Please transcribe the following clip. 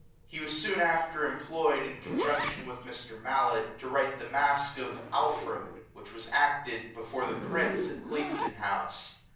He was soon after employed, in cc«ijunction with Mr. Mallet, to write the masque of " Alfred," which was acted before the Prince at Cliefden house.